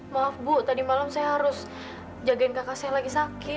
maaf bu tadi malam saya harus jagain kakak saya lagi sakit